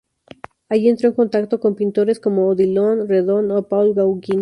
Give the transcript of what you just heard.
Allí entró en contacto con pintores como Odilon Redon o Paul Gauguin.